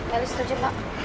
ya setuju pak